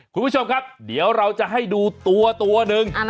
คุณผู้ชมครับเดี๋ยวเราจะให้ดูตัวตัวหนึ่ง